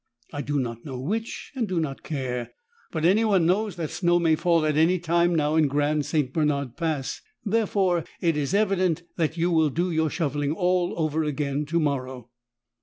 I do not know which and do not care, but anyone knows that snow may fall at any time now in Grand St. Bernard Pass. Therefore, it is evident that you will do your shoveling all over again tomorrow."